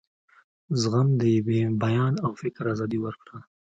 زغم د بیان او فکر آزادي ورکړه.